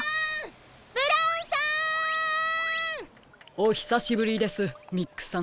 ブラウンさん！おひさしぶりですミックさん。